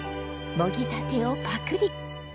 もぎたてをパクリ！